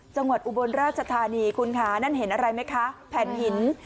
อุบลราชธานีคุณค่ะนั่นเห็นอะไรไหมคะแผ่นหิน